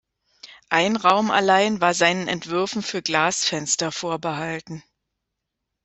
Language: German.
Ein Raum allein war seinen Entwürfen für Glasfenster vorbehalten.